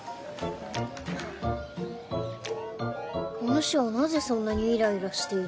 おぬしはなぜそんなにイライラしている？